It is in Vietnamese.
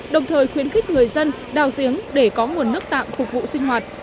đồng thời khuyến khích người dân đào giếng để có nguồn nước tạm phục vụ sinh hoạt